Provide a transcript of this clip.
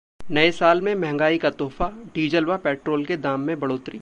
नये साल में महंगाई का 'तोहफा', डीजल व पेट्रोल के दाम में बढ़ोतरी